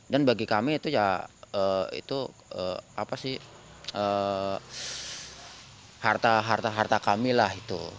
dan bagi kami itu ya itu apa sih harta harta kami lah itu